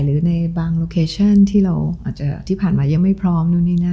หรือในบางโลเคชั่นที่เราที่ผ่านมายังไม่พร้อม